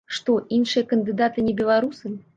Што, іншыя кандыдаты не беларусы?